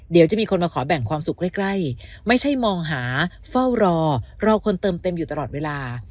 เดี๋ยวจะมีคนมาขอแบ่งความสุขใกล้ไม่ใช่มองหาเฝ้ารอรอคนเติมเต็มอยู่ตลอดเวลา